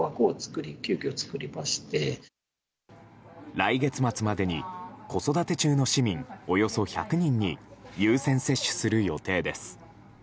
来月末までに子育て中の市民およそ１００人に優先接種する予定です。